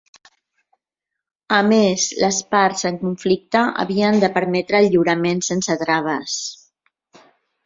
A més, les parts en conflicte havien de permetre el lliurament sense traves.